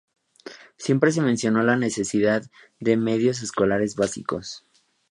Siempre se mencionó la necesidad de medios escolares básicos.